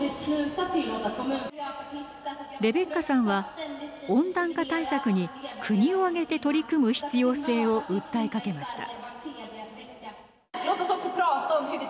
レベッカさんは温暖化対策に国を挙げて取り組む必要性を訴えかけました。